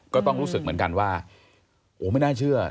ก็ต้องรู้สึกเหมือนกันว่าโอ้ไม่น่าเชื่อ